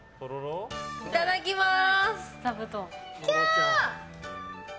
いただきます。